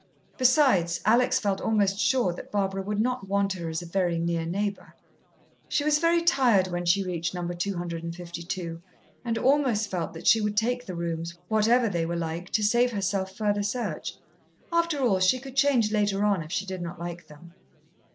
Besides, Alex felt almost sure that Barbara would not want her as a very near neighbour. She was very tired when she reached No. 252, and almost felt that she would take the rooms, whatever they were like, to save herself further search. After all, she could change later on, if she did not like them.